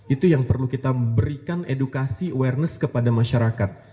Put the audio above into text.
itu yang perlu kita berikan edukasi awareness kepada masyarakat